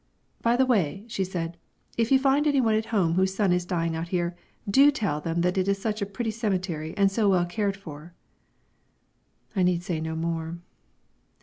"By the way," she said, "if you find anyone at home whose son is dying out here, do tell them that it is such a pretty cemetery and so well cared for...." I need say no more.